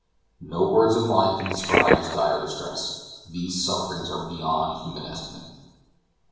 No words of mine can describe this dire distress; these sufferings are beyond human estimate.